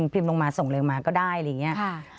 พิมพ์ลงมาส่งเร็วมาก็ได้อะไรอย่างนี้